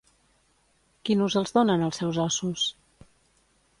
Quin ús els donen als seus ossos?